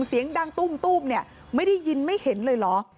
เสียงดังตุ้มเนี่ยไม่ได้ยินไม่เห็นเลยเหรอ